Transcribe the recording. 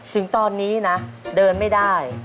ถึงตอนนี้นะเดินไม่ได้